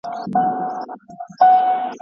تل به جهاني ملنګ اوري د بلبلو شرنګ